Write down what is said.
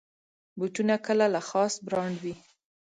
بوټونه کله له خاص برانډ وي.